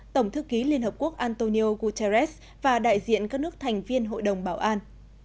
tổng thư ký liên hợp quốc antonio guterres và đại diện các nước thành viên hội đồng bảo an